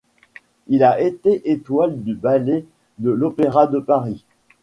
Il a été étoile du ballet de l'Opéra de Paris.